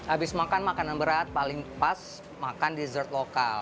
abis makan makanan berat paling pas makan dessert lokal